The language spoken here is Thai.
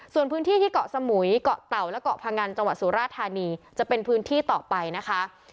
ส่วนพื้นที่ที่เกาะสมุยเกาะเต่าและเกาะพงันจังหวัดสุราธานีจะเป็นพื้นที่ต่อไปนะคะ